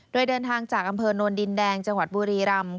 โดยเดินทางจากอำเภอโนนดินแดงจังหวัดบุรีรำ